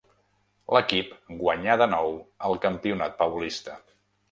L'equip guanyà de nou el campionat paulista.